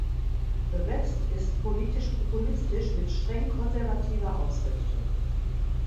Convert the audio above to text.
The West ist politisch populistisch mit streng konservativer Ausrichtung.